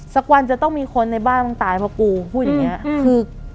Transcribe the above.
สักวันจะต้องมีคนในบ้านตายเพราะกู